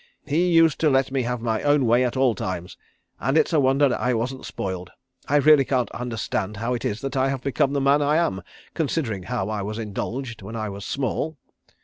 He used to let me have my own way at all times, and it's a wonder I wasn't spoiled. I really can't understand how it is that I have become the man I am, considering how I was indulged when I was small.